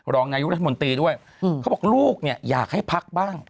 รองนายกรัฐมนตรีด้วยเขาบอกลูกเนี่ยอยากให้พักบ้าง